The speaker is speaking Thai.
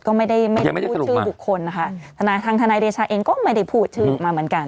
ก็ไม่ได้พูดชื่อทุกคนนะคะทางทนายเดชาเองก็ไม่ได้พูดชื่อมาเหมือนกัน